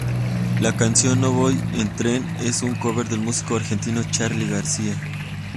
La canción "No voy en tren" es un cover del músico argentino Charly García.